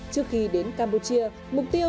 trước khi đến campuchia mục tiêu